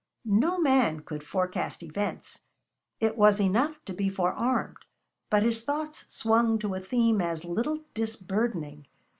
No man could forecast events. It was enough to be forearmed. But his thoughts swung to a theme as little disburdening.